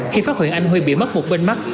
khi phát hiện anh huy bị mất một bên mắt